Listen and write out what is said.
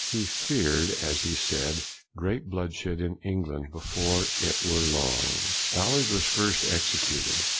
He feared, as he said, great bloodshed in England before it were long. Ballard was first executed.